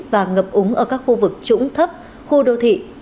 và ngập úng ở các khu vực trũng thấp khu đô thị